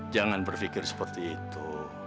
jangan berpikir seperti itu